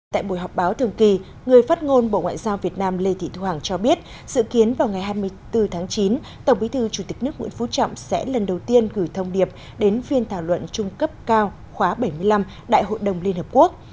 tại buổi họp báo thường kỳ người phát ngôn bộ ngoại giao việt nam lê thị thu hằng cho biết dự kiến vào ngày hai mươi bốn tháng chín tổng bí thư chủ tịch nước nguyễn phú trọng sẽ lần đầu tiên gửi thông điệp đến phiên thảo luận trung cấp cao khóa bảy mươi năm đại hội đồng liên hợp quốc